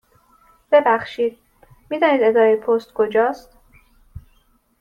ببخشید، می دانید اداره پست کجا است؟